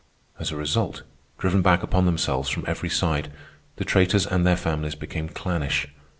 As a result, driven back upon themselves from every side, the traitors and their families became clannish.